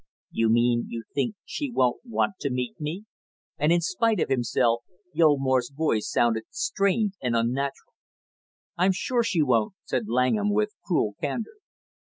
"You mean you think she won't want to meet me?" and in spite of himself Gilmore's voice sounded strained and unnatural. "I'm sure she won't," said Langham with cruel candor.